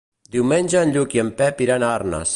Diumenge en Lluc i en Pep iran a Arnes.